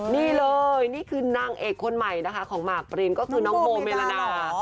นี่เลยนี่คือนางเอกคนใหม่นะคะของหมากปรินก็คือน้องโบเมลนา